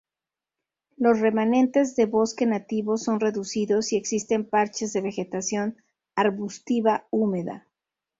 Los remanentes de bosque nativo son reducidos y existen parches de vegetación arbustiva húmeda.